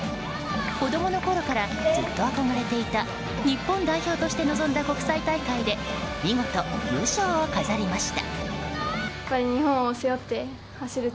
子供のころからずっと憧れていた日本代表として臨んだ国際大会で見事、優勝を飾りました。